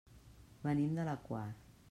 Venim de la Quar.